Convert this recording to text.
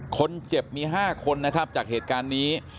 คนเจ็บมี๕คนนะครับจากเหตุการณ์นี้